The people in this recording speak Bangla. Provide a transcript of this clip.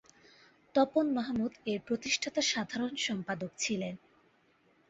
তপন মাহমুদ এর প্রতিষ্ঠাতা সাধারণ সম্পাদক ছিলেন।